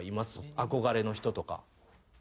憧れの人とか。